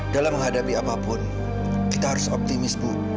dalam menghadapi apapun kita harus optimis bu